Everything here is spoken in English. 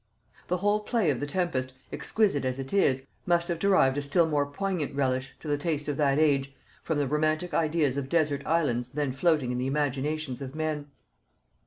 The whole play of the Tempest, exquisite as it is, must have derived a still more poignant relish, to the taste of that age, from the romantic ideas of desert islands then floating in the imaginations of men.